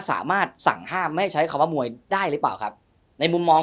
สามารถสั่งห้ามไม่ให้ใช้คำว่ามวยได้หรือเปล่าครับในมุมมอง